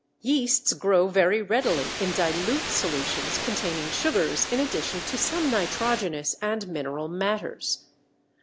Yeasts grow very readily in dilute solutions containing sugars in addition to some nitrogenous and mineral matters.